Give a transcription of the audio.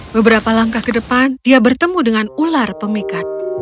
beberapa langkah ke depan dia bertemu dengan ular pemikat